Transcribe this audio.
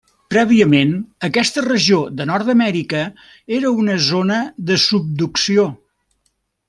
Prèviament aquesta regió de Nord-amèrica era una zona de subducció.